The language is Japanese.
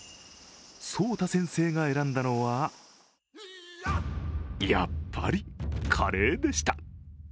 聡太先生が選んだのはやっぱり、カレーでした。